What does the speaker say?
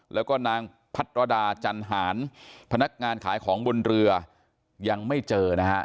แล้วก็นางพัทรดาจันหารพนักงานขายของบนเรือยังไม่เจอนะฮะ